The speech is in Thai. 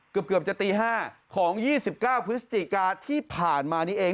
เกือบจะตี๕ของ๒๙พฤศจิกาที่ผ่านมานี้เอง